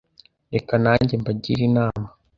Reka nanjye mbagire inama